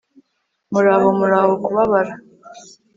muraho muraho kubabara